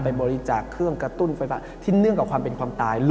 บริจาคเครื่องกระตุ้นไฟฟ้าที่เนื่องกับความเป็นความตาย